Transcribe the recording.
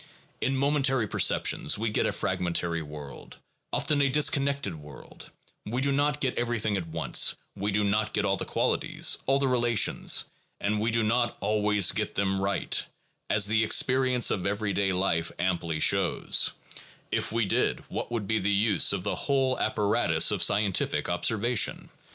In momentary perceptions we get a fragmentary world, often a disconnected world; we do not get everything at once, we do not get all the qualities, all the relations, and we do not always get them right, as the experience of everyday life amply shows: if we did, what would be the use of the whole apparatus of scientific observation?